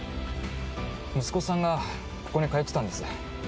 息子さんがここに通ってたんです。